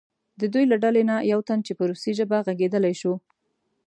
د دوی له ډلې نه یو تن چې په روسي ژبه غږېدلی شو.